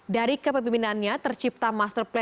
dari kepemimpinannya tercipta master plan